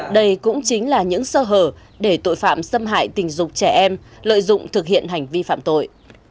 đây cũng chính là những sơ hở để tội phạm xâm hại tình dục trẻ em lợi dụng thực hiện hành vi phạm tội